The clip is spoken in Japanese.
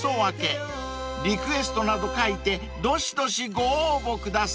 ［リクエストなど書いてどしどしご応募ください］